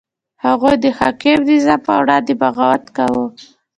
هغوی د حاکم نظام په وړاندې بغاوت کاوه.